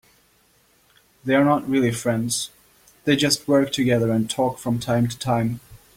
They are not really friends, they just work together and talk from time to time.